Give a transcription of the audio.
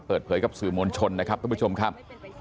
เปิดเผยกับสื่อมวลชนนะครับท่านผู้ชมครับ